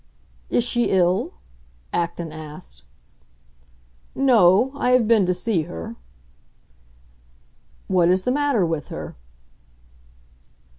"Is she ill?" Acton asked. "No; I have been to see her." "What is the matter with her?"